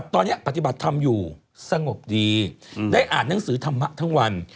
ตอนนี้ปฏิบัติธรรมอยู่สงบดีได้อ่านหนังสือธรรมะทั้งวัน